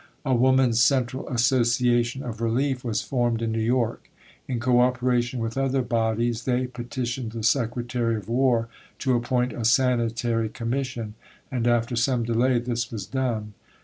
A "Woman's Central Association of Relief" was formed in New York. In co operation with other bodies they petitioned the Secretary of War to appoint a Sanitary Commission, and after some delay this was done.